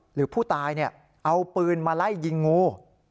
หรือผู้ตายเอาปืนมาไล่ยิงงู